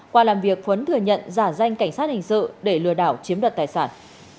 qua làm việc khuấn thừa nhận giả danh cảnh sát hình sự để lừa đảo chiếm đoạt tài sản